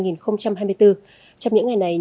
nhiều hoạt động của bà con